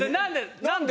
何で？